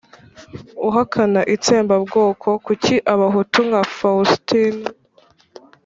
uhakana itsembabwoko. kuki abahutu nka fawusitini